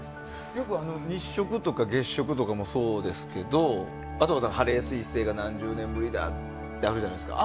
よく日食とか月食とかもそうですがあとハレー彗星が何十年ぶりだってあるじゃないですか。